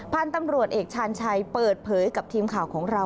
พันธุ์ตำรวจเอกชาญชัยเปิดเผยกับทีมข่าวของเรา